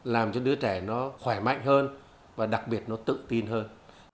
làm cho đứa trẻ nó khỏe mạnh hơn và đặc biệt nó tự tin hơn